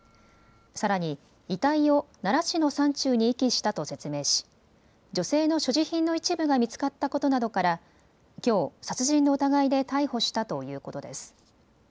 さらに遺体を奈良市の山中に遺棄したと説明し女性の所持品の一部が見つかったことなどからきょう、殺人の疑いで逮捕したということです。